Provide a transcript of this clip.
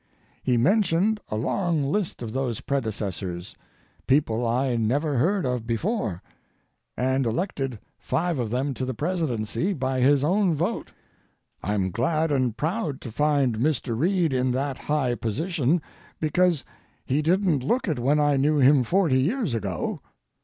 He mentioned a long list of those predecessors, people I never heard of before, and elected five of them to the Presidency by his own vote. I'm glad and proud to find Mr. Reid in that high position, because he didn't look it when I knew him forty years ago.